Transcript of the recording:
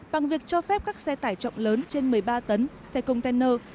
bằng việc cho phép các xe tải trọng lớn trên một mươi ba tấn xe container